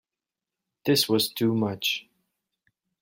This was too much.